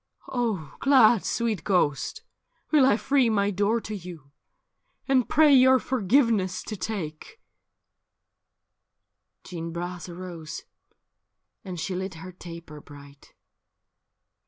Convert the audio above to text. '' Oh glad, sweet ghost, will I free my door to you, And pray your forgiveness to take /' Jeanne Bras arose, and she lit her taper bright.